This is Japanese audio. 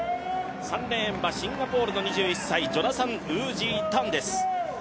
３レーンはシンガポールの２１歳、ジョナサンウージン・タンです。